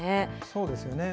そうですよね。